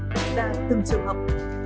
đã ra từng trường học